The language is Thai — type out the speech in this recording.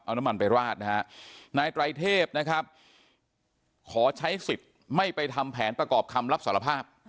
เอาน้ำมันไปราดนะฮะนายไตรเทพนะครับขอใช้สิทธิ์ไม่ไปทำแผนประกอบคำรับสารภาพ